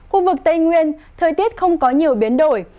khu vực tây nguyên thời tiết không có nhiều biến đổi